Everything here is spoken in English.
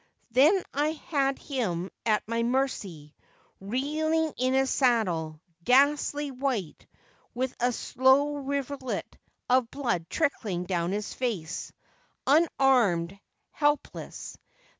Then I had him at my mercy, reeling in his saddle, ghastly white, with a slow rivulet of blood trickling down his face — unarmed — help less.